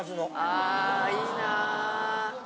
あいいな。